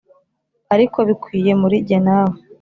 ariko bikwiye muri njye nawe.